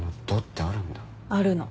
あるの。